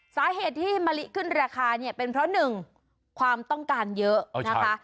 สาเหตุที่มะลิขึ้นราคาเนี่ยเป็นเพราะหนึ่งความต้องการเยอะนะคะ